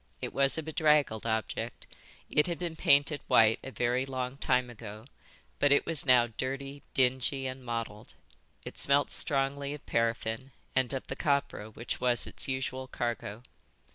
It was a bedraggled object; it had been painted white a very long time ago, but it was now dirty, dingy, and mottled. It smelt strongly of paraffin and of the copra which was its usual cargo.